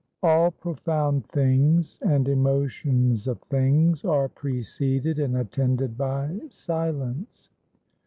All profound things, and emotions of things are preceded and attended by Silence.